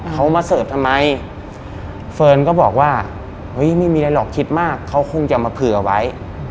เขามาเสิร์ฟทำไมเฟิร์นก็บอกว่าเฮ้ยไม่มีอะไรหรอกคิดมากเขาคงจะมาเผื่อไว้